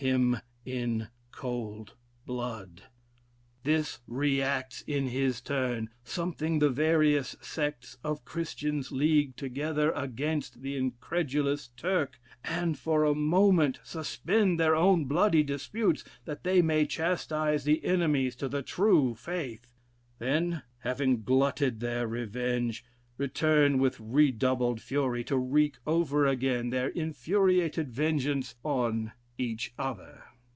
him in cold blood; this re acts in his turn; sometimes the various sects of Christians league together against the incredulous Turk, and for a moment suspend their own bloody disputes that they may chastise the enemies to the true faith: then, having glutted their revenge, return with redoubied fury, to wreak over again their infuriated vengeance on each other."